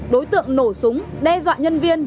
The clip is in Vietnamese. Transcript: đối tượng nổ súng đe dọa nhân viên